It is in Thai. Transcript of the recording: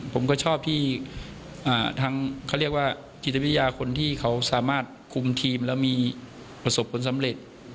ผมก็ชอบที่ทั้งเขาเรียกว่าจิตวิทยาคนที่เขาสามารถคุมทีมแล้วมีประสบผลสำเร็จ